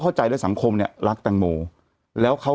แต่หนูจะเอากับน้องเขามาแต่ว่า